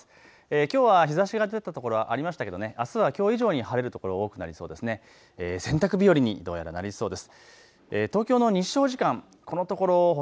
きょうは日ざしが出たところはありましたけど、あすはきょう以上に晴れる所多くなりそうです。